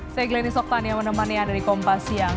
saya glenny soktan yang menemani anda di kompas siang